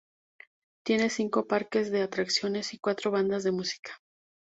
Tiene cinco parques de atracciones y cuatro bandas de música.